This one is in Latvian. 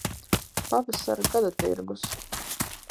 Pavasara gadatirgus